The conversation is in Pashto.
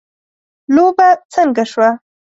لوبه څنګه شوه